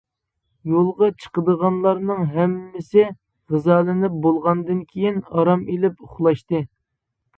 يولغا چىقىدىغانلارنىڭ ھەممىسى غىزالىنىپ بولغاندىن كېيىن ئارام ئېلىپ ئۇخلاشتى.